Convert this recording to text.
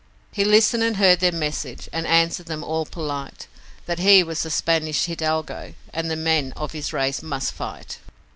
He listened and heard their message, and answered them all polite, That he was a Spanish hidalgo, and the men of his race MUST fight!